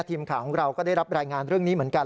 ทีมข่าวของเราก็ได้รับรายงานเรื่องนี้เหมือนกัน